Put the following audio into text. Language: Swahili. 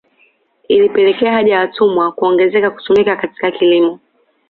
Ilipelekea haja ya watumwa kuongezeka kutumika katika kilimo